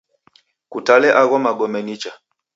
Kutale agho magome nicha.